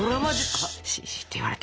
「シ！」って言われた。